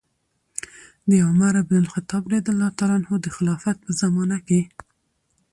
د عمر بن الخطاب رضي الله عنه د خلافت په زمانه کې